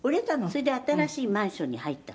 「それで新しいマンションに入ったの」